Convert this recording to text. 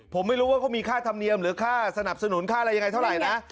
ผมไม่รู้ว่าเขามีค่าธรรมเนียมหรือค่าสนับสนุนค่าอะไรยังไงเท่าไหร่นะ